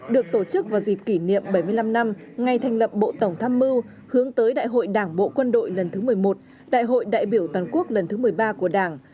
được tổ chức vào dịp kỷ niệm bảy mươi năm năm ngày thành lập bộ tổng tham mưu hướng tới đại hội đảng bộ quân đội lần thứ một mươi một đại hội đại biểu toàn quốc lần thứ một mươi ba của đảng